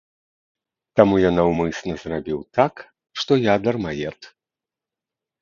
Таму я наўмысна зрабіў так, што я дармаед.